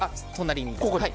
隣に。